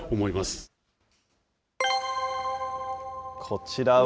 こちらは。